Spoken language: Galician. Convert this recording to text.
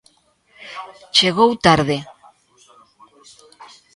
Chegou tarde.